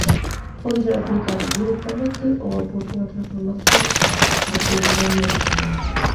Pode ser aplicado directamente ou após unha transformación do polinomio orixinal.